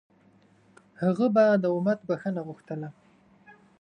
هغه به د امت بښنه غوښتله.